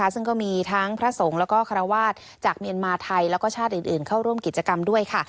ซึ่งก็มีพระสงฆ์และคารวาสจากเมืองมาไทยและชาติอื่นเข้าร่วมกิจกรรมด้วย